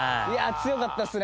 強かったっすね。